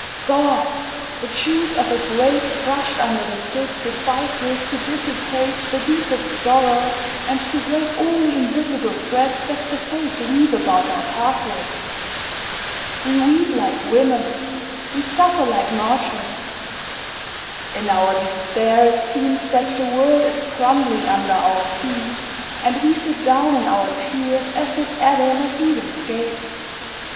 God! the juice of a grape crushed under the foot suffices to dissipate the deepest sorrow and to break all the invisible threads that the fates weave about our pathway. We weep like women, we suffer like martyrs; in our despair it seems that the world is crumbling under our feet and we sit down in our tears as did Adam at Eden's gate.